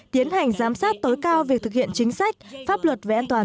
tiến hành giám sát tối cao việc thực hiện chính sách pháp luật về an toàn